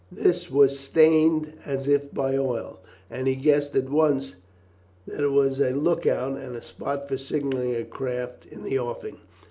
This was stained as if by oil, and he guessed at once that it was a look out and a spot for signalling a craft in the offing.